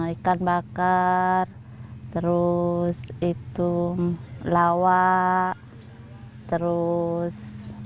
ikan bakar terus itu lawak terus